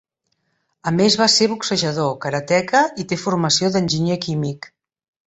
A més va ser boxejador, karateka i té formació d'enginyer químic.